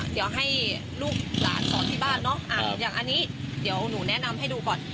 เดี๋ยวให้ลูกหลานสอนที่บ้านเนอะอย่างอันนี้เดี๋ยวหนูแนะนำให้ดูก่อน